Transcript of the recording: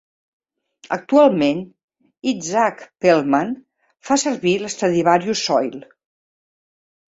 Actualment, Itzhak Perlman fa servir l'stradivarius Soil.